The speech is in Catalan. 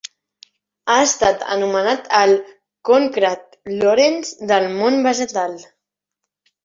Ha estat anomenat el "Konrad Lorenz del món vegetal".